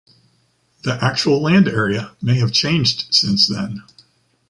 The actual land area may have changed since then.